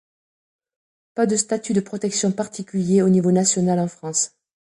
Pas de statut de protection particulier au niveau national en France.